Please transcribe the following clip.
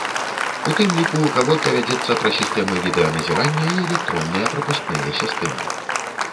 У тым ліку гаворка вядзецца пра сістэмы відэаназірання і электронныя прапускныя сістэмы.